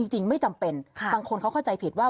จริงไม่จำเป็นบางคนเขาเข้าใจผิดว่า